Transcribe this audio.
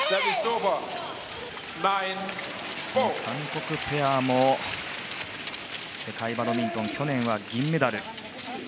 韓国ペアも世界バドミントン去年は銀メダル。